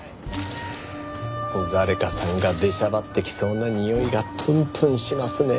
誰かさんが出しゃばってきそうなにおいがプンプンしますね。